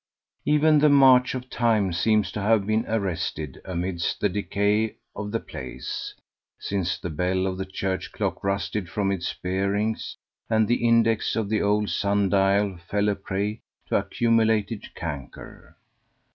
Even the march of time seems to have been arrested amidst the decay of the place, since the bell of the church clock rusted from its bearings and the index of the old sun dial fell a prey to accumulated canker.